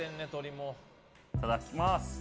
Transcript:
いただきます！